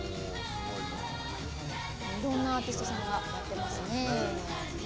いろんなアーティストさんがやってますね。